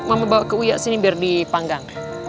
mama bawa ke uyak sini biar dipanggang